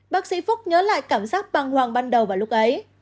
bác sĩ phúc nhớ lại cảm giác băng hoàng ban đầu vào lúc ấy